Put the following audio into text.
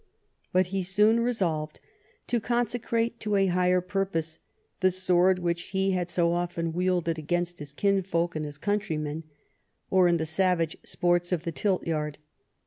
But he soon resolved to consecrate to a higher purpose the sword which he had so often wielded against his kinsfolk and his countrymen, or in the savage sports of the tiltyard.